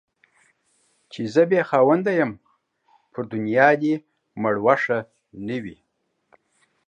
چي زه بې خاونده يم ، پر دنيا دي مړوښه نه وي.